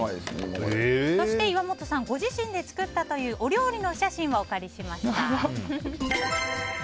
そして岩本さんご自身で作ったというお料理のお写真をお借りしました。